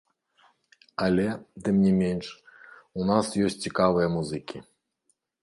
Але, тым не менш, у нас ёсць цікавыя музыкі.